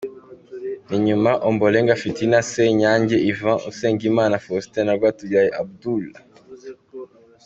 Inyuma: Ombolenga Fitina, Senyange Yvan, Usengimana Faustin na Rwatubyaye Abdul,.